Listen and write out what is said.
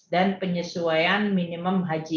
dan penyesuaian minimum hge